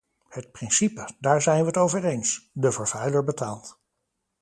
Het principe, daar zijn wij het over eens: de vervuiler betaalt.